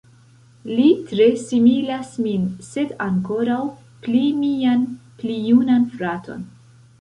Li tre similas min, sed ankoraŭ pli mian pli junan fraton.